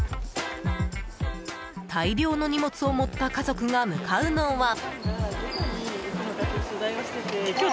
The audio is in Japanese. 大量の荷物を持った家族が向かうのは。